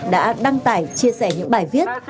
đã đăng tải chia sẻ những bài viết